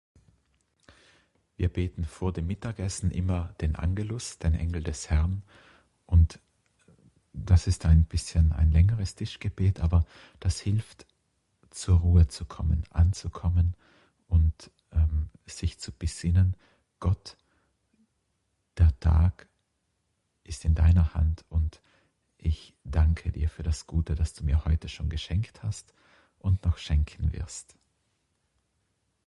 Wir beten vor dem Mittagessen immer den Angulus, den Engel des Herrn und das ist ein bisschen ein längeres Tischgebet aber das hilft zur Ruhe zu kommen, anzukommen und ehm sich zu besinnen, Gott der Tag ist in deiner Hand und ich danke dir für das gute was Du mir heute schon geschenkt hast und noch schenken wirst.